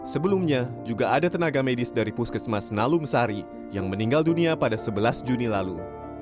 sebelumnya juga ada tenaga medis dari puskesmas nalum sari yang meninggal dunia pada sebelas juni lalu